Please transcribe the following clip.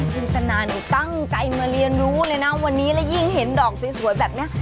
คุณสนานตั้งใจมาเรียนรู้เลยนะวันนี้แล้วยิ่งเห็นดอกสวยแบบนี้